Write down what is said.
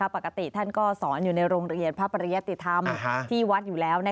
ปกติท่านก็สอนอยู่ในโรงเรียนพระปริยติธรรมที่วัดอยู่แล้ว